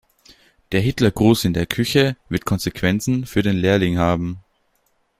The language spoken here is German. Der Hitlergruß in der Küche wird Konsequenzen für den Lehrling haben.